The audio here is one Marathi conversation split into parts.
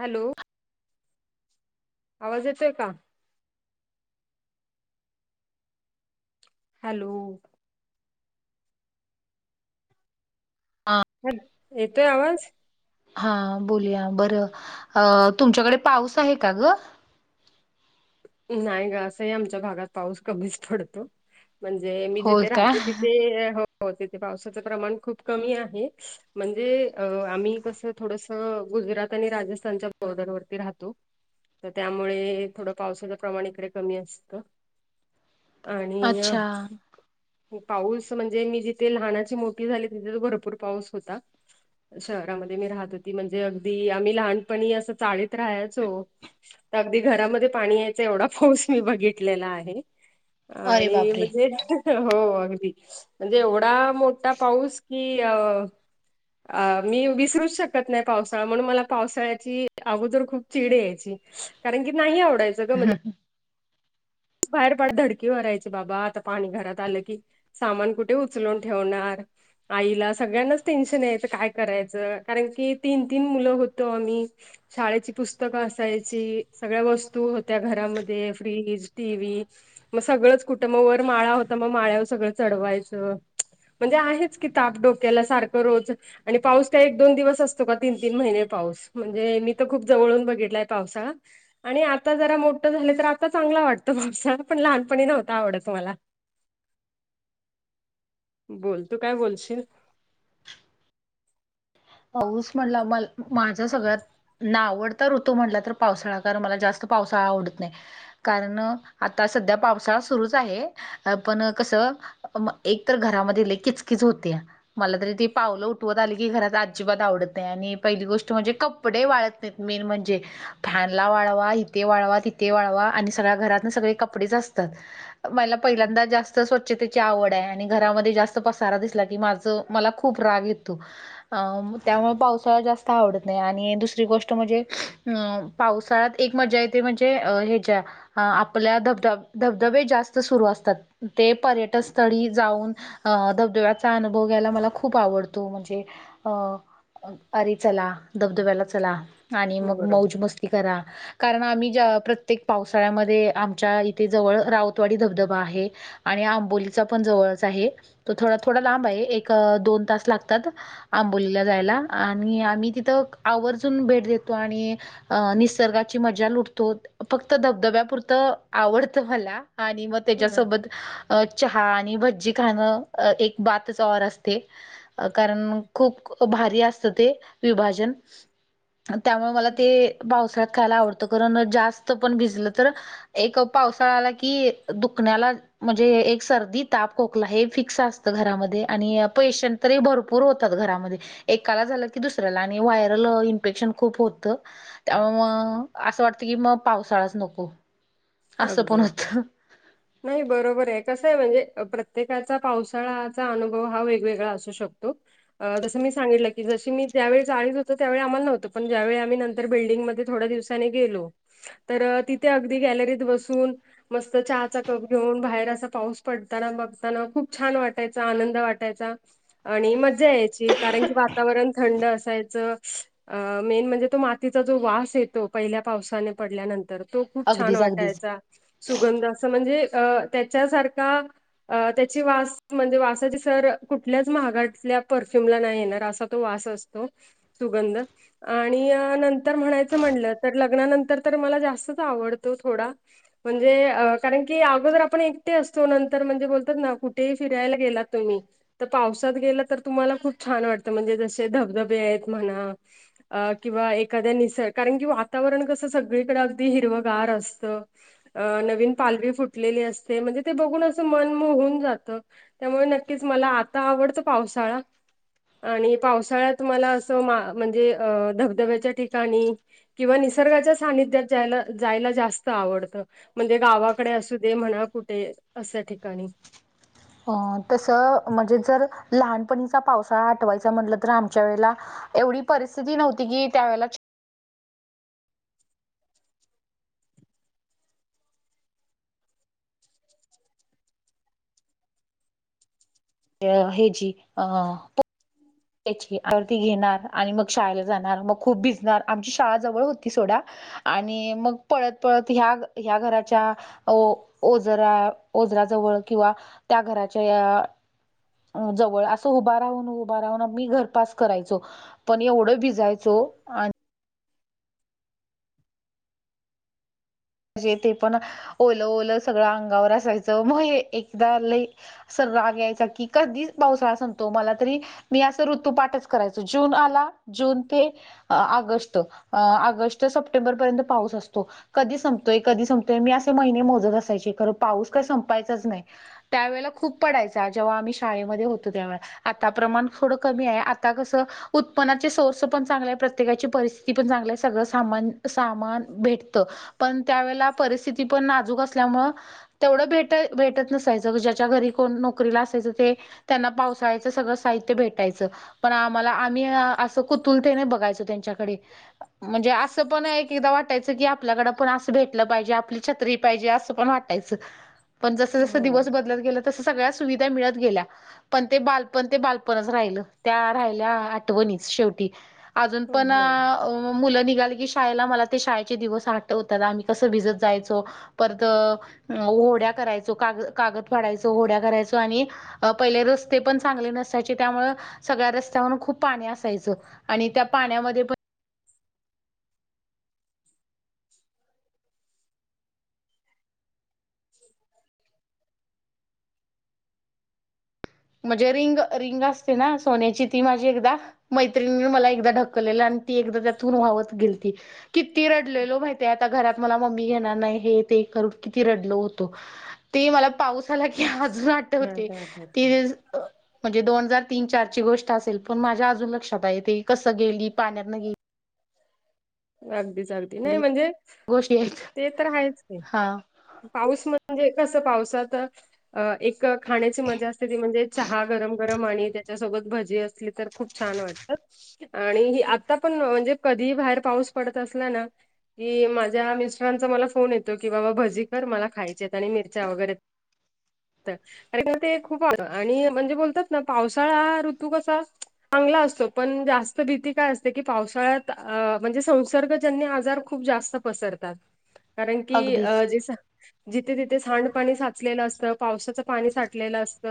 हॅलो! आवाज येतोय का. हॅलो! हां. ह, येतोय आवाज. हा बोलया बरं अ तुमच्याकडे पाऊस आहे का ग. नाही ग असंही आमच्या भागात पाऊस कमीच पडतो. म्हणजे मी होय जिथे का राहते तिथे हो हो तिथे पावसाचं प्रमाण खूप कमी आहे. म्हणजे अ आम्ही कस थोडस गुजरात आणि राजस्थानच्या बॉर्डरवररती राहतो. तर त्यामुळे थोडं पावसाच प्रमाण इकडे कमी असत आणि ह्या अच्छा पाऊस म्हणजे मी जिथे लहानाची मोठी झाली तिथे भरपूर पाऊस होता. शहरामध्ये मी राहत होती म्हणजे अगदी आम्ही लहानपणी असं चाळीत राहायचो. अगदी घरामध्ये पाणी येत. एवढा फौस मी बघितलेला आहे अरे आणि बापरे म्हणजे हो अगदी म्हणजे एवढा मोठा पाऊस की अ... अ मी विसरूच शकत नाही पावसाळा म्हणून मला पावसाळ्याची अगोदर खूप चिडे यायची. कारण की नाही आवडायचं. ग म्हणजे हा, ह. बाहेर फार धडकी भरायची बाबा आता पाणी घरात आलं की? सामान कुठे उचलून ठेवणार. आईला सगळ्यांनाच टेन्शन यायचं काय करायचं कारण की तीन तीन मुलं होतो आम्ही. शाळेची पुस्तकं असायची सगळ्या वस्तू होत्या घरामध्ये फ्रीज टीव्ही मग सगळंच कुटुंब वर माळा होता मग माळ्यावर सगळं चढवायचं. म्हणजे आहेच की ताप डोक्याला सारखं रोज आणि पाऊस काय एक दोन दिवस असतो का तीन तीन महिने पाऊस म्हणजे मी तर खूप जवळून बघितलाय पावसा आणि आता जरा मोठं झाले तर आता चांगला वाटत त मापसाला पण लहपणी नव्हता आवडत तुम्हाला बोल तू काय बोलशील पाऊस म्हटला म माझ्या सगळ्यात ना आवडता ऋतू म्हटला तर पावसाळा कारण मला जास्त पावसाळा आवडत नाही कारण आता सध्या पावसाळा सुरूच आहे अ पण कस एक तर घरामध्ये ले किचकीच होते मला तरी ती पावलं उठवत आली की घरात अजिबात आवडत आणि पहिली गोष्ट म्हणजे कपडे वाळत नाहीत मेन म्हणजे फॅनला वाढवा इिथे वाढवा तिथे वाढवा आणि सगळ्या घरात ना सगळे कपडेच असतात मला पहिल्यांदा जास्त स्वच्छ त्याची आवड आहे आणि घरामध्ये जास्त पसारा दिसला की माझ मला खूप राग येतो अ त्यामुळे पावसाळा जास्त आवडत नाही आणि दुसरी गोष्ट म्हणजे अ पावसाळ्यात एक मजा येते म्हणजे ह्याच्या्या अ आपल्या धबध धबधबे जास्त सुरू असतात ते पर्यटन स्थळी जाऊन अं धबधब्याचा अनुभव घ्यायला मला खूप आवडतो म्हणजे अ आरे चला धबधब्याला चला आणि मग बरोबर. मौज मस्ती करा कारण आम्ही ज प्रत्येक पावसाळ्यामध्ये आमच्या इथे जवळ रावतवाडी धबधबा आहे आणि आंबोलीचा पण जवळच आहे त थोडा थोडा लांब आहे एक दोन तास लागतात आंबोलीला जायला आणि आम्ही तिथं आवर्जून भेट देतो आणि अ निसर्गाची मज्जा लुटतो फक्त धबधब्यापुरतं आवडतं मला आणि मग हा, त्याच्यासोबत अ चहा आणि भजी खाणं एक बातच र असते कारण खूप भारी असत ते विभाजन त्यामुळे मला ते पावसाळ्यात खायला आवडतं कारण जास्त पण भिजलं तर एक पावसाळा्याला कि दुखण्याला म्हणजे एक सर्दी ताप खोकला हे फिक्स असतं घरामध्ये आणि पेशंट तरी भरपूर हो घरामध्ये एकाला झालं की दुसऱ्याला आणि व्हायरल इन्फेक्शन खूप होत त्यामुळे मग असं वाटतं की मग पावसाळाच नको असं अगदी पण अगदी होतं नाही बरोबर आहे कसं आहे म्हणजे प्रत्येकाचा पावसाळ्याचा अनुभव हा वेगवेगळा असू शकतो तसं मी सांगित की जशी मी त्यावेळीचाळीत होतो त्यावेळी आम्हाला नव्हतं पण ज्यावेळी आम्ही नंतर बिल्डिंगमध्ये थोडा दिवस. आनी गेलो तर तिथे अगदी गॅलरीत बसून. मस्त चहाचा कप घेऊन बाहेर असा पाऊस पडताना बघताना खूप छान वाटायचा आनंद वाटायचा. आणि मज्जा यायची. कारण की वातावरण थंड असायचं. अ मेन म्हणजे तो मातीचा जो वास येतो पहिल्या पावसाने पडल्यानंतर, तो खूप छान अगदीच वाट अगदीच सुगंध असं म्हणजे अ त्याच्यासारखा अ त्याची वास म्हणजे वासाची सर कुठल्याच महागातल्या परफ्युमला नाही येणार असा तो वास असतो सुगंध आणि अ नंतर म्हणायचं म्हटलं, तर लग्नानंतर तर मला जास्तच आवडतो. थोडा म्हणजे अ कारण की अगोदर आपण एकटे असतो नंतर म्हणजे बोलतात ना कुठेही फिरायला गेलात तुम्ही. तर पावसात गेला तर तुम्हाला खूप छान वाटतं म्हणजे जसे धबधबे आहेत म्हणा. अ किंवा एखाद्या निसर् कारण कि वातावरण कसं सगळीकडे अगदी हिरवगार असत. अ नवीन पालवी फुटलेली असते म्हणजे ते बघून असं मन मोहून जात. त्यामुळे नक्कीच मला आता आवडतं पावसाळा. आणि पावसाळ्यात म्हाला असं मा म्हणजे अ धबधब्याच्या ठिकाणी. किंवा निसर्गाच्या सानिध्यात जायला जायला जास्त. आवडत म्हणजे गावाकडे असू दे म्हणा कुठे अशा ठिकाणी. अ तसं म्हणजे जर लहानपणीचा पावसाळा आठवायचा म्हटलं तर आमच्या वेळेला एवढी परिस्थिती नव्हती की, त्यावेळेला हे जी अ तेच की ती घेणार आणि मग शाळेला जाणार, मग खूप भिजणार आमची शाळा जवळ होती सोडा. आणि मग पळत पळत ह्या ह्या घराच्या ओ ओजरा ओजराजवळ किंवा त्या घराच्या या अं जवळ असं उभा राहून, उभा राहून मी घरपास करायचो. पण एवढं भिजायचो. आण म्हणजे ते पण ओलं ओलं सगळं अंगावर असायचं, मग एकदा लई असा राग यायचा की कधी पावसाळा संपतो मला तरी मी असं ऋतू पाठच करायचो. जून आला जून ते ऑगस्ट. अ ऑगस्ट सप्टेंबरपर्यंत पाऊस असतो. कधी संप तोय, कधी संपतोय मी असे महिने मोजत असायचे. खर पाऊस काही संपायचाच नाही. त्यावेेळेला खूप पडायचा जेव्हा आम्ही शाळेमध्ये होतो तेव्हा. आता प्रमाण थोडं कमी आहे आ आता कसं उत्पननाचे सोर्स पण चांगले आहे, प्रत्येकाची परिस्थिती पण चांगली आहे. सगळं सामान सामान भेटतं पण त्यावेेळेला परिस्थिती पण नाजूक असल्यामुळं तेवढं भेट भेटत नसायचं ज्याच्या घरी कोण नोकरीला असायचं ते. त्यांना पावसाळ्यां सगळं साहित्य भेट यच, पण आम्हाला आम्ही असं कुतुहलतेने बघायचो त्यांच्या कडे म्हणजे अस पण आहे की एकेकदा वाटायचं कि आपल्याकडे पण असं भेटल पाहिजे. आपली छत्री पाहिजे असं पण वाटायचं. पण जसं जसं हो दिवस बदलत गेलंत तसं सगळ्या सुविधा मिळत गेल्या. पण ते बालपण ते बालपणच राहिलं. त्या राहिल्या आठवणीच शेवटी. अजून हो पण हो अ मुलं निघाली की शाळेला मला ते शाळेचे दिवस आठ वतात. आम्ही कसं भिजत जायचो परत होड्या करायचो, काग कागद फाडायचो होड्या करायचो आणि अ पहिले रस्ते पण चांगले नसायचे त्यामुळं सगळ्या रस्त्यावरून खूप पाणी असायचं आणि त्या पाण्यामध्ये पण [inaudible] म्हणजे रिंग रिंग असते ना सोन्याची ती माझी एकदा मैत्रिणीन मला एकदा ढकललेलं आणि ती एकदा त्यातून वावहत गेलती. किती रडलेलो माहितेय आता घरात मला मम्मी घेणार नाही हे ते करून किती रडलो होतो. ते मला पावसाला कि अजून मला आठवते. तर ती आठवतंय. म्हणजे दोन हजार तीन चार ची गोष्ट असेल, पण माझ्या अजून लक्षात आहे. ती कसं गेली पाण्यात न गेल अगदीच अगदी. नाही गेली म्हणजे गोष्टी आहेत ते तर आहेच की हा पाऊस म्हणजे कसं पावसात अ एक खाण्याची मजा असते, ती म्हणजे चहा गरम गरम आणि त्याच्यासोबत भजी असली तर खूप छान वाटत आणि आता पण म्हणजे कधीही बाहेर पाऊस पडत असला ना की माझ्या मिस्टरांचा मला फोन येतो की बाबा भजी कर मला खायची आहेत आणि मिरच्या वगैरे [inaudible] अरे ते खूप आ आणि म्हणजे बोलतात ना पावसाळा हा ऋतू कसा चांगला असतो. पण जास्त भीती काय असते की पावसाळ्यात अ- म्हणजे संसर्ग ज्यांन आजार खूप जास्त पसरतात. कारण की अगदीच जे जिथे तिथे सांडपाणी साचलेलं असतं, पावसाचं पाणी साठलेलं असत.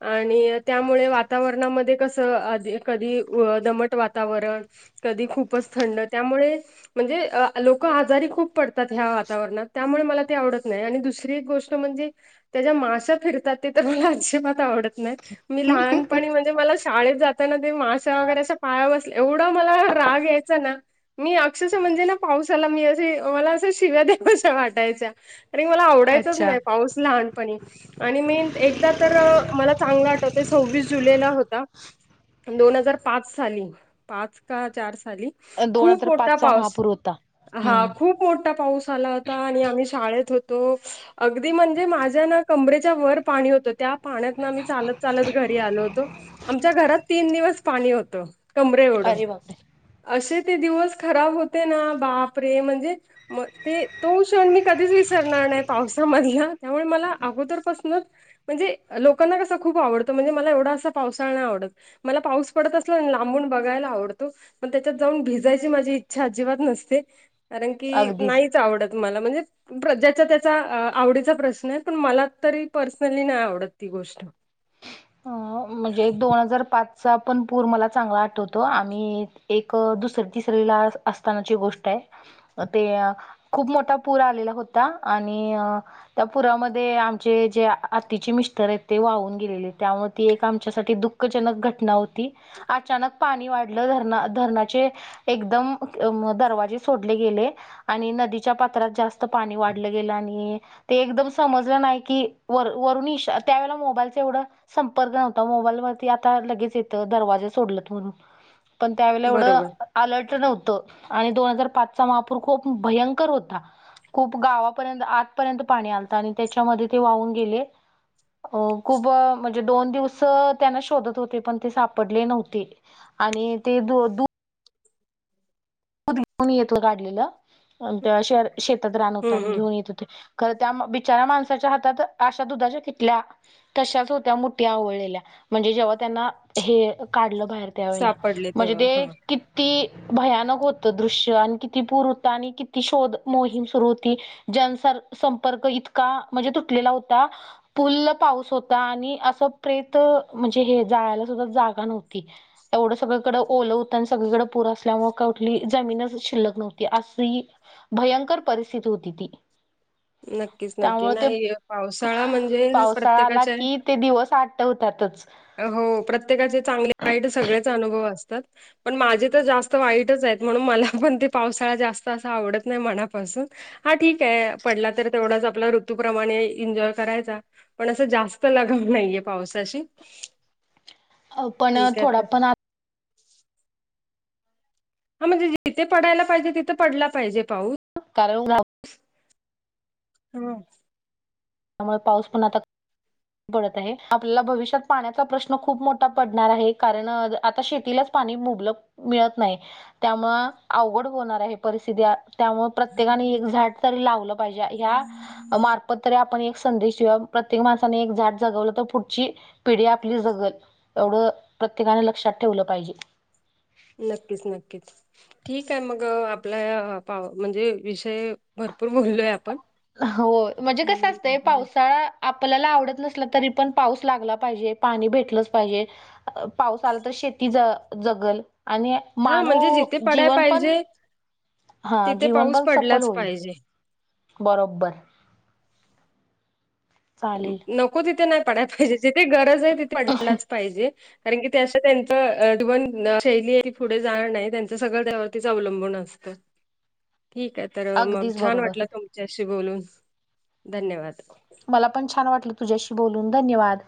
आणि त्यामुळे वातावरणामध्ये कसं आधी कधी दमट वातावरण कधी खूपच थंड. त्यामुळे म्हणजे लोक आजारी खूप पडतात ह्या वातावरणात, त्यामुळे मला ते आवडत नाही आणि दुसरी एक गोष्ट ष्ट म्हणजे त्या ज्या माश्या फिरतात ते तर मला अजिबात आवडत नाही. मी लहान पणी म्हणे मला शाळेत जाताना ते माशा वगैरे अशा पायावर बसल्या एवढं मला राग यायचं ना मी अक्षरश म्हणजे ना पावसाला मी असे मला असं शिव्या देव्याशा वाटायच्या. अरे मला आवडायचंच अच्छा नाही पाऊस लहान पणी आणि मेन एकदा तर मला चांगला आठवतय, सव्वीस जुलैला होता. दोन हजार पाच साली, पाच का चार साली. दोन खूप हजार मोठा पाचचा पाऊस. महापूर होता हा हम्म खूप खूप मोठा पाऊस आला होता, आणि आम्ही शाळेत होतो. अगदी म्हणजे माझ्या ना कमरेच्या वर पाणी होतं त्या पाण्यात ना आम्ही चालत चालत घरी आलो होतो. आमच्या घरात तीन दिवस पाणी होतं. कमरे एवढं. अरे बापरे असे ते दिवस खराब होते ना, बाप रे! म्हणजे म ते तो क्षण मी कधीच वीस सरणार नाही, पावसा मधला त्यामुळे मला अगोदर पासूनच म्हणजे लोकांना कसं खूप आवडतं म्हणजे, मला एवढा असा पावसाळा नाय आवडत. मला पाऊस पडत असला लांबून बघायला आवडतो, पण त्याच्यात जाऊन भिज- जायची माझी इच्छा अजिबात नसते, कारण की अगदीच नाहीच आवडत मला म्हणजे ज्याच्या त्याचा आवडीचा प्रश्न आहे, पण मला तरी पर्सनली नाही आवडत ती गोष्ट. हा म्हणजे दोन हजार पाचचा पण पूर मला चांगला आठवतो आम्ही एक दुसर तिसरी ला असतानाची गोष्ट आहे, ते खूप मोठा पूर आलेला होता आणि त्या पुरामध्ये आमचे जे आतीचे मिस्टर आहेत ते वाहून गेलेले. त्यामुळे ती एक आमच्यासाठी दुःखजनक घटना होती. अचानक पाणी वाढलं धरणा- धरणाचे एकदम दरवाजे सोडले गेले. आणि नदीच्या पात्रात जास्त पाणी वाढलं गेलं, आणि ते एकदम समजलं नाही की, वर- वरून इशा त्यावेेळेला मोबाईलच एवढं संपर्क नव्हता, मोबाईल वरती आता लगेच येत दरवाजा सोडलत म्हणून. पण त्यावेळेला एवढं बरोबर अलर्ट नव्हतं, आणि दोन हजार पाचचा महापूर खूप भयंकर होता. खूप गावापर्यंत आतपर्यंत पाणी आलत आणि त्याच्यामध्ये ते वाहून गेले. हो, खूप म्हणजे दोन दिवस त्यांना शोधत होते, पण ते सापडले नव्हते आणि ते द-दु दूध घेऊन येत होते काढलेलं, शेतात रान होत हम्म आणि ते हम्म घेऊन येत होते. खरं त्या बिचाऱ्या माणसाच्या हातात अशा दुधाच्या किटल्या तशाच होत्या, मुठ्या आवळलेल्या म्हणजे जेव्हा त्यांना हे काढलं बाहेर. त्यावेळा सापडले म्हणजे तेव्हा हा ते किती भयानक होत दृश्य आणि किती पूर होता, आणि किती शोध मोहीम सुरू होती. जनसंपर्क इतका म्हणजे तुटलेला होता. पूल्ल पाऊस होता आणि असं प्रेत म्हणजे, हे जाळायला सुद्धा जागा नव्हती. एवढं सगळीकडें ओलं हूतं आणि सगळीकडे पुर असल्यामुळ का पली जमीनच शिल्लक नव्हती अस ही भयंकर परिस्थिती हूती ती. नक्कीच नक्की त्यामुळे ते नाही य पावसाळा म्हणजे पावसाळा आला प्रत्येकाच्या की ते दिवस आठवत्यातच हो, प्रत्येकाचे चांगले वाईट सगळेच अनुभव असतात. पण माझी तर जास्त वाईटच आहेत, म्हणून मला पण ती पावसाळा जास्त असं आवडत नाही मनापासून. हा, ठीक आहे पडला तर तेवढाच आपला ऋतूप्रमाणे एन्जॉय करायचा. पण असं जास्त लगाव नाहीये पावसाशी. पण ठीक आहे. थोडा तर पण आ हा म्हणजे, जिथे पडायला पाहिजे तिथे पडला पाहिजे पाऊस. [unintelligible] हम्म. त्यामुळ पाऊस पण आता पडत आहे, आपल्याला भविष्यात पाण्याचा प्रश्न खूप मोठा पडणार आहे. कारण आता शेतीलाच पाणी मुबलक मिळत नाही, त्यामुळं अवघड होणार आहे परिस्थिती त्यामुळं प्रत्येकाने एक झाड तरी लावलं पाहिजे, ह्या मार्फत तरी आप पण एक संदेश दिऊया, प्रत्येक माणसाने एक झाड जगवलं तर पुढची पिढी आपली जगल. एवढं प्रत्येकानं लक्षात ठेवलं पाहिजे. नक्कीच नक्कीच. ठीकाय मग, आपला पा म्हणजे विषय भरपूर बोललोय आपण होय, म्हणजे कसं असतंय पावसाळा आपल्याला आवडत नसला तरी पण पाऊस लागला पाहिजे, पाणी भेटलंच पाहिजे. अ पाऊस आला तर शेती ज जगल आणि हा म्हणजे मानव जिथे पडाय जीवन पण पाहिजे हा तिथे जीवन पाऊस पण सफल पडलाच होईल, पाहिजे. बरोब्बर. चालेल नको तिथे नाय पडाय पाहिजे जिथे गरज हाय तिथे पडलाच पाहिजे. कारण की ते अशा त्यांचं [unintelligible] शैली ती पुढे जाणार नाही, त्यांचं सगळं त्यावरतीच अवलंबून असत. ठीकाय. तर मग अगदीच छान बरोबर वाटलं तुमच्याशी बोलून, धन्यवाद. मला पण छान वाटलं तुझ्याशी बोलून, धन्यवाद.